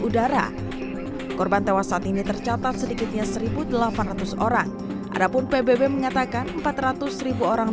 udara korban tewas saat ini tercatat sedikitnya seribu delapan ratus orang adapun pbb mengatakan empat ratus orang